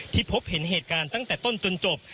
พบเห็นเหตุการณ์ตั้งแต่ต้นจนจบ